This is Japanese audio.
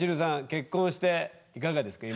結婚していかがですか？